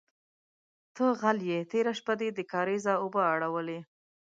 _ته غل يې، تېره شپه دې د کارېزه اوبه اړولې.